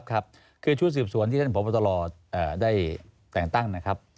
คือชุดสืบสวนที่ท่านพบตรได้แต่งตั้งนะครับ